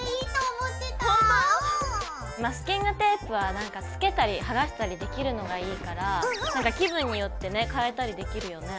マスキングテープはつけたり剥がしたりできるのがいいから気分によってね変えたりできるよね。